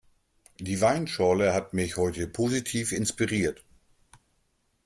Die Weinschorle hat mich heute positiv inspiriert.